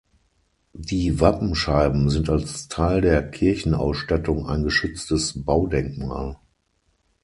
Die Wappenscheiben sind als Teil der Kirchenausstattung ein geschütztes Baudenkmal.